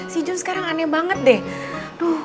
si jun sekarang aneh banget deh